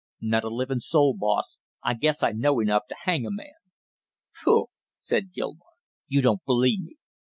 "Not a living soul, boss; I guess I know enough to hang a man " "Pooh!" said Gilmore. "You don't believe me?"